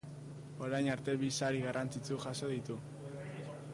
Orain arte bi sari garrantzitsu jaso ditu.